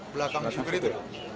belakang supir itu